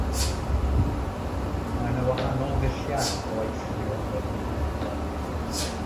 Mae yna wahanol ddulliau o eithrio o'r byd.